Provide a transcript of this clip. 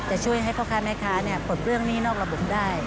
จะช่วยให้พ่อค้าแม่ค้าปลดเรื่องหนี้นอกระบบได้